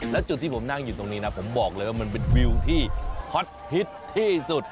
แล้วจุดที่ผมนั่งอยู่ตรงนี้นะผมบอกเลยว่ามันเป็นวิวที่ฮอตฮิตที่สุด